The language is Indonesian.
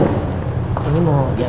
oke kalau begitu saya permisi pak